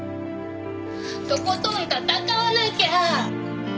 とことん闘わなきゃ！